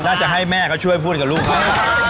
จะให้แม่เขาช่วยพูดกับลูกเขา